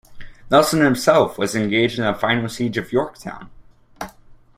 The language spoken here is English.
Nelson himself was engaged in the final siege of Yorktown.